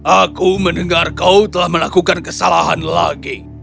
aku mendengar kau telah melakukan kesalahan lagi